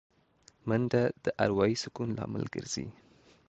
منډه د اروايي سکون لامل ګرځي